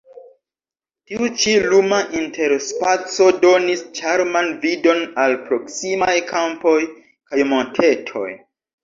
Tiu ĉi luma interspaco donis ĉarman vidon al proksimaj kampoj kaj montetoj.